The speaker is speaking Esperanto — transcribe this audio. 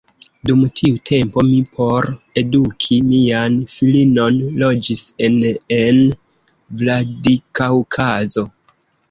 Dum tiu tempo mi por eduki mian filinon loĝis en en Vladikaŭkazo.